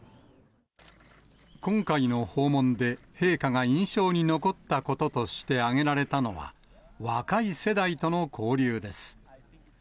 今回の訪問で陛下が印象に残ったこととして挙げられたのは、若い世代との交流です。